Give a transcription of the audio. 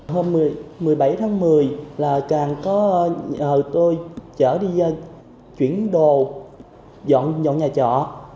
hôm một mươi bảy tháng một mươi là càng có nhờ tôi chở đi chuyển đồ dọn nhà trọ